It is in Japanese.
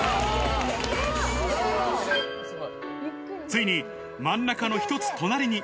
ついに、真ん中の一つ隣に。